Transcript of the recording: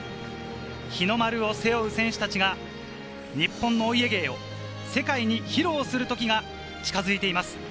日の丸を背負う選手たちが日本のお家芸を世界に披露する時が近づいています。